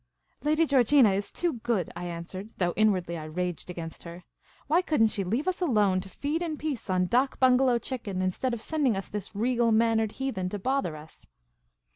" Lady Georgina is too good," I answered, though in wardly I raged against her. Why could n't she leave us alone, to feed in peace on dak bungalow chicken, instead of sending this regal mannered heathen to bother ps